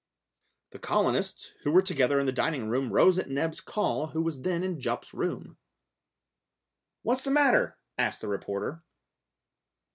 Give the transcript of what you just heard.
The colonists, who were together in the dining room, rose at Neb's call, who was then in Jup's room. "What's the matter?" asked the reporter.